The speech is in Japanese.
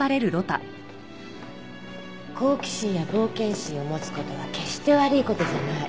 好奇心や冒険心を持つ事は決して悪い事じゃない。